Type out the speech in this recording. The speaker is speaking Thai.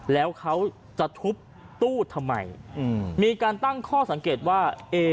แล้วเขาจะทุบตู้ทำไมมีการตั้งข้อสังเกตว่า